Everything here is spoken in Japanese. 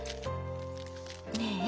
ねえ。